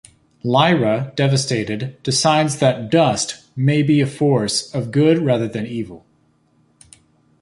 Lyra, devastated, decides that Dust may be a force of good rather than evil.